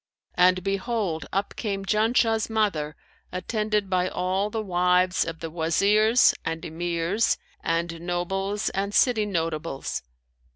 And behold, up came Janshah's mother, attended by all the wives of the Wazirs and Emirs and nobles and city notables.